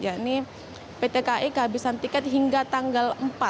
yakni pt kai kehabisan tiket hingga tanggal empat